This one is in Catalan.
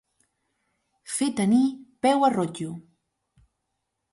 Fer tenir peu a rotllo.